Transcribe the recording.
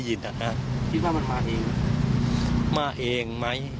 พี่ว่ามันมาเอง